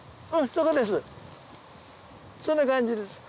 そんな感じですはい。